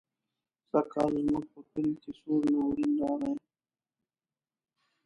سږکال زموږ په کلي کې سوړ ناورين راغی.